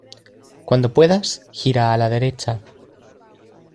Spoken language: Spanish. Cuando puedas, gira a la derecha.